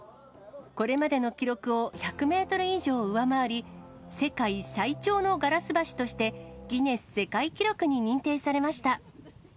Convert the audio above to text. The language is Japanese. これまでの記録を１００メートル以上上回り、世界最長のガラス橋として、ギネス世界記録に認定されました。